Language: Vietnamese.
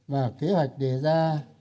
và kế hoạch đề ra